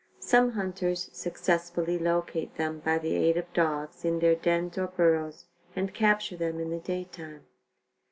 Some hunters successfully locate them, by the aid of dogs, in their dens or burrows and capture them in the day time.